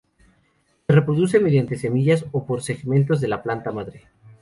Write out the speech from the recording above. Se reproduce mediante semillas o por segmentos de la planta madre.